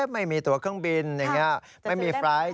ไม่มีตัวเครื่องบินไม่มีไฟล์ท